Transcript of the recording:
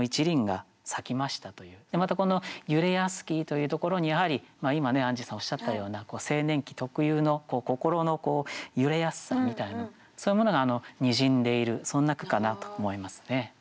またこの「揺れやすき」というところにやはり今アンジーさんおっしゃったような青年期特有の心の揺れやすさみたいなそういうものがにじんでいるそんな句かなと思いますね。